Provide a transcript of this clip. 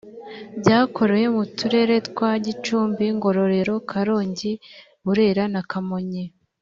byakorewe mu turere twa gicumbi , ngororero, karongi , burera na kamonyi